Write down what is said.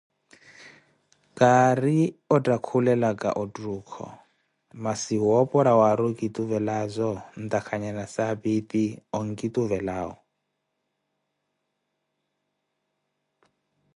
Kaari ottakhulelaka ottuukho, masi woopora waari okituvelazowo ntakhanya nasapi eti onkituvelawo.